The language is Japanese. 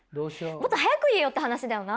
もっと早く言えよっていう話だよな。